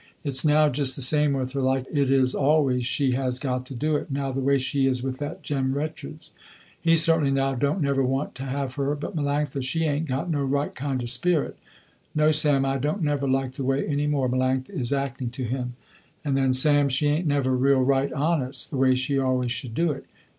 Its now just the same with her like it is always she has got to do it, now the way she is with that Jem Richards. He certainly now don't never want to have her but Melanctha she ain't got no right kind of spirit. No Sam I don't never like the way any more Melanctha is acting to him, and then Sam, she ain't never real right honest, the way she always should do it.